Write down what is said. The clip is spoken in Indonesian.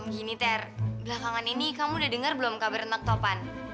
gini ter belakangan ini kamu udah dengar belum kabar tentang topan